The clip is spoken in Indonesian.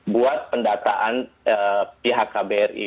buat pendataan pihak kbri